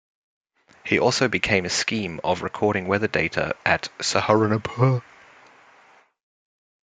He also began a scheme of recording weather data at Saharanpur.